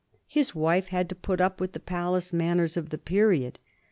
His wife had to put up with the palace manners of the period.